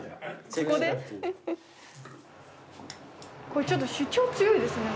これちょっと主張強いですね